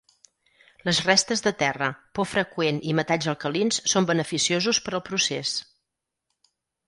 Les restes de terra por freqüent i metalls alcalins són beneficiosos per al procés.